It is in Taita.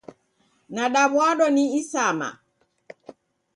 Nadaw'adwa ni isama